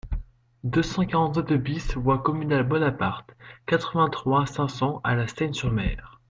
deux cent quarante-sept BIS voie Communale Bonaparte, quatre-vingt-trois, cinq cents à La Seyne-sur-Mer